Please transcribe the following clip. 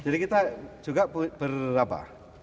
jadi kita juga berapa